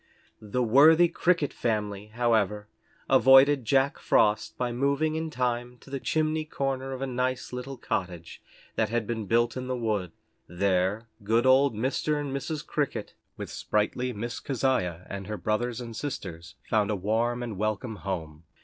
The worthy Cricket family, however, avoided Jack Frost by moving in time to the chimney corner of a nice little cottage that had been built in the wood. There good old Mr. and Mrs. Cricket, with sprightly Miss Keziah and her brothers and sisters, found a warm and welcome home.